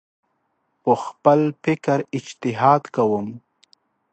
په خپل فکر اجتهاد کوم